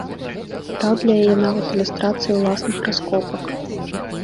Браў для яе нават ілюстрацыі ўласных раскопак.